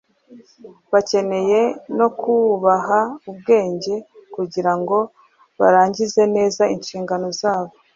bakeneye no kubaha ubwenge kugira ngo barangize neza inshingano zabo.